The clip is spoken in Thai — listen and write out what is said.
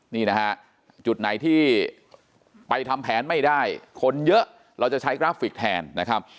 นี่นะฮะจุดไหนที่ไปทำแผนไม่ได้คนเยอะเราจะใช้กราฟิกแทนนะครับ